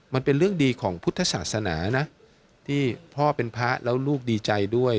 มันเป็นเรื่องดีของพุทธศาสนานะที่พ่อเป็นพระแล้วลูกดีใจด้วย